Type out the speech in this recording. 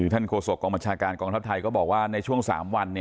โฆษกองบัญชาการกองทัพไทยก็บอกว่าในช่วง๓วัน